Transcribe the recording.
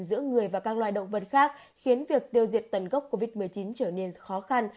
giữa người và các loài động vật khác khiến việc tiêu diệt tần gốc covid một mươi chín trở nên khó khăn